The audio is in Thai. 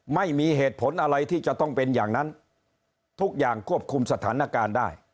ไม่มีเหตุผลอะไรที่จะต้องเป็นอย่างนั้นทุกอย่างควบคุมสถานการณ์ได้